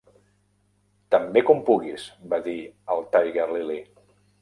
"Tan bé com puguis" va dir el Tiger-lily.